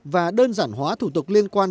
và đơn giản hóa thủ tục liên quan